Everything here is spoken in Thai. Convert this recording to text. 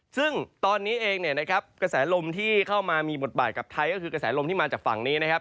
ซึ่งตอนนี้เองเนี่ยนะครับกระแสลมที่เข้ามามีบทบาทกับไทยก็คือกระแสลมที่มาจากฝั่งนี้นะครับ